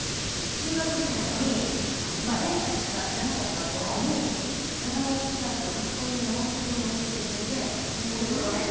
中学時代に演歌しか知らなかった私にサザンオールスターズを初恋の山本君が教えてくれて。